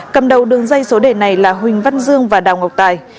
cầm đầu đường dây số đề này là huỳnh văn dương và đào ngọc tài